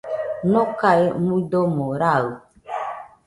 Nokae muidomo raɨ